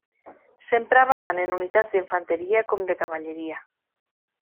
S'emprava tant en unitats d'infanteria com de cavalleria.